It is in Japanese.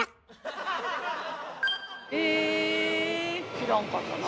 知らんかったなあ？